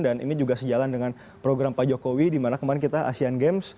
dan ini juga sejalan dengan program pak jokowi di mana kemarin kita asean games